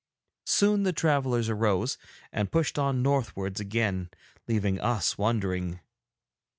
Soon the travellers arose and pushed on northwards again, leaving us wondering.